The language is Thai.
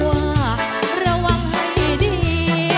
มาฟังอินโทรเพลงที่๑๐